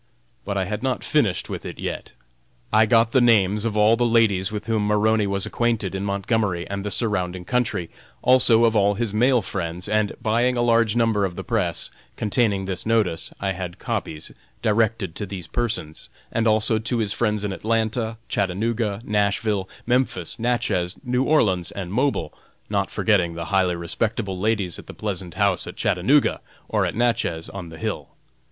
But I had not finished with it yet. I got the names of all the ladies with whom Maroney was acquainted in Montgomery and the surrounding country, also of all his male friends, and, buying a large number of the Press containing this notice, I had copies directed to these persons; and also to his friends in Atlanta, Chattanooga, Nashville, Memphis, Natchez, New Orleans and Mobile, not forgetting the highly respectable ladies at the pleasant house at Chattanooga, or at Natchez, on the hill.